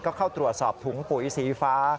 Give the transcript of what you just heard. เข้าเข้าตรวจสอบถุงปุ๋ยสีวิฟ้า